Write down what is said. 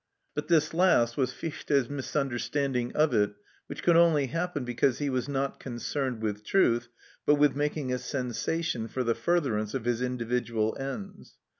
But this last was Fichte's misunderstanding of it, which could only happen because he was not concerned with truth, but with making a sensation for the furtherance of his individual ends.